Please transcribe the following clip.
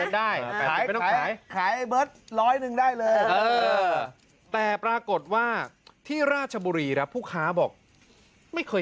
ได้ขายขายไอเบิร์ตร้อยหนึ่งได้เลยแต่ปรากฏว่าที่ราชบุรีครับผู้ค้าบอกไม่เคย